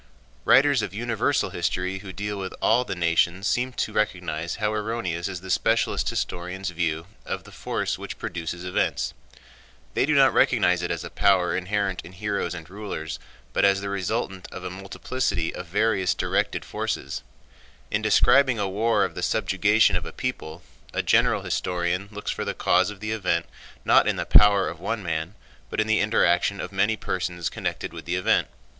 Writers of universal history who deal with all the nations seem to recognize how erroneous is the specialist historians' view of the force which produces events. They do not recognize it as a power inherent in heroes and rulers, but as the resultant of a multiplicity of variously directed forces. In describing a war or the subjugation of a people, a general historian looks for the cause of the event not in the power of one man, but in the interaction of many persons connected with the event.